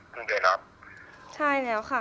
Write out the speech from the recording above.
คุณพ่อได้จดหมายมาที่บ้าน